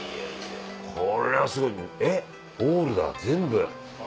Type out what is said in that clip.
これはすごいえっオールだ全部。